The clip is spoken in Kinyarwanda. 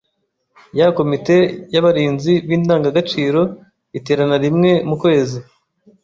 ya komite y’abarinzi b’indangagaciro iterana rimwe mu kwezi